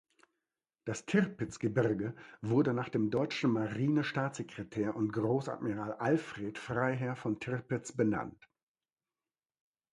Das Tirpitz-Gebirge wurde nach dem deutschen Marinestaatssekretär und Großadmiral Alfred Freiherr von Tirpitz benannt.